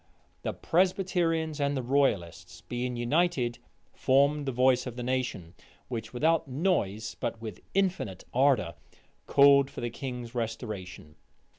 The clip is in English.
The Presbyterians and the royalists, being united, formed the voice of the nation, which, without noise, but with infinite ardor, called for the king's restoration.